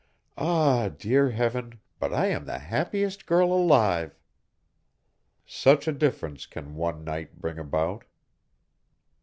"Ah, dear Heaven, but I am the happiest girl alive!" Such a difference can one night bring about.